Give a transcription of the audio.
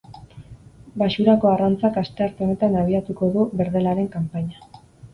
Baxurako arrantzak astearte honetan abiatuko du berdelaren kanpaina.